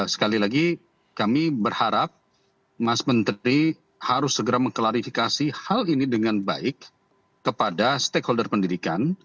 sekali lagi kami berharap mas menteri harus segera mengklarifikasi hal ini dengan baik kepada stakeholder pendidikan